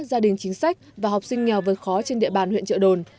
gia đình chính sách và học sinh nghèo vượt khó trên địa bàn huyện trợ đồn